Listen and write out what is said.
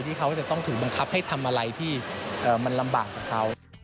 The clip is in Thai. ที่เขาจะต้องถือบังคับให้ทำอะไรที่มันลำบากกับเขา